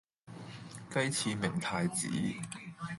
雞翅明太子